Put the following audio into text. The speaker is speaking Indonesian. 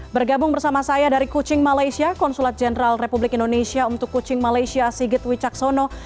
bergabung bersama saya dari kucing malaysia konsulat jenderal republik indonesia untuk kucing malaysia sigit wicaksono